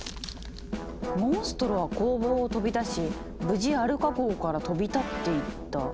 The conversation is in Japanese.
「モンストロは工房を飛び出し無事アルカ号から飛び立っていった。